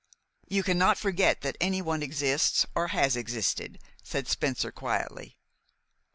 "You cannot forget that anyone exists, or has existed," said Spencer quietly.